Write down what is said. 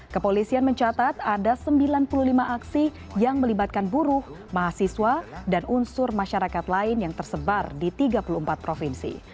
kepolisian mencatat ada sembilan puluh lima aksi yang melibatkan buruh mahasiswa dan unsur masyarakat lain yang tersebar di tiga puluh empat provinsi